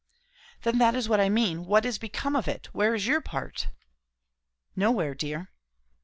"Then that is what I mean. What is become of it? Where is your part?" "Nowhere, dear."